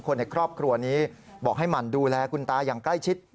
คนในครอบครัวนี้บอกให้หมั่นดูแลคุณตาอย่างใกล้ชิด